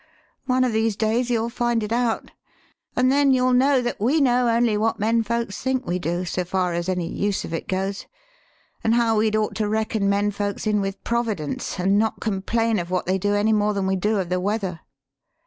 One of these days you'll find it out, an' then you'll know that we know only what men folks think we do, so far as any use of it goes, an' how we'd ought to reckon men folks in with Providence, an' not complain of what they do any more than we do of the weather."